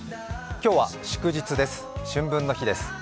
今日は祝日です、春分の日です。